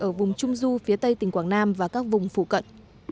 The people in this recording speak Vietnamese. ở vùng trung du phía tây tỉnh quảng nam và các vùng phụ cận